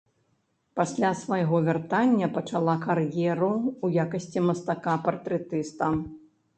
Пасля свайго вяртання пачалакар'еру ў якасці мастака-партрэтыста.